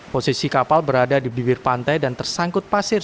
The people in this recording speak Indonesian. posisi kapal berada di bibir pantai dan tersangkut pasir